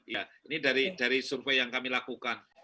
ya ini dari survei yang kami lakukan